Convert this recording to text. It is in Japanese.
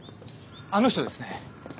あの人ですね。